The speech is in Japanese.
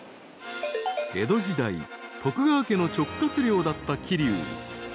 ［江戸時代徳川家の直轄領だった桐生］